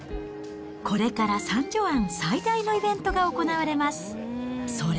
これからサンジョアン最大のイベントが行われます。